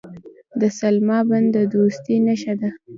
د سلما بند د دوستۍ نښه ده.